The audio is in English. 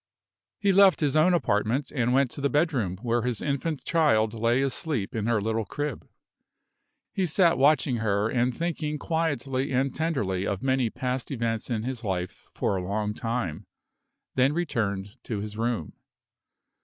He left his own apartment and went to the bedroom where his infant child lay asleep in her little crib. He sat watching her, and thinking quietly and tenderly of many past events in his life for a long time, then returned to his room.